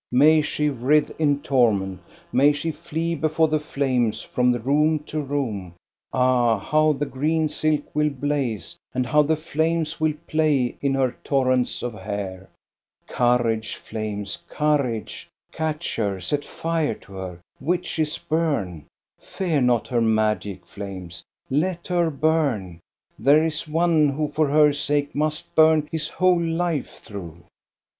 May she writhe in torment, may she flee before the flames from room to room ! Ah, how the green silk will blaze, and how the flames will play in her torrents of hair ! Courage, flames ! courage ! Catch her, set fire to her ! Witches burn ! Fear not her 426 THE STORY OF GO ST A BE RUNG magic, flames! Let her bum! There is one who for her sake must burn his whole life through.